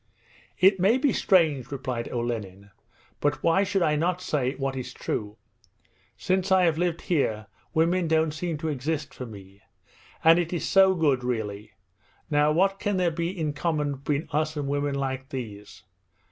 'It may be strange,' replied Olenin, 'but why should I not say what is true? Since I have lived here women don't seem to exist for me. And it is so good, really! Now what can there be in common between us and women like these?